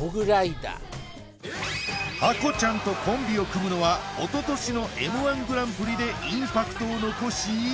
モグライダーハコちゃんとコンビを組むのはおととしのＭ−１グランプリでインパクトを残し